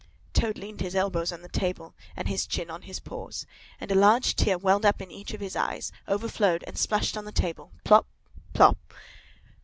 Toad leaned his elbows on the table, and his chin on his paws; and a large tear welled up in each of his eyes, overflowed and splashed on the table, plop! plop!